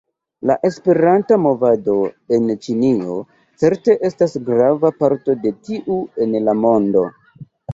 La Esperanta movado en Ĉinio certe estas grava parto de tiu en la mondo.